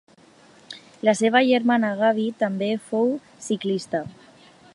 La seva germana Gabi també fou ciclista.